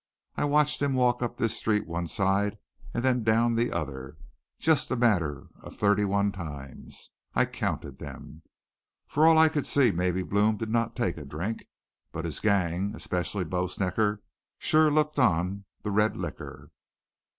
I watched him walk up this street on one side and then down the other, just a matter of thirty one times. I counted them. For all I could see maybe Blome did not take a drink. But his gang, especially Bo Snecker, sure looked on the red liquor.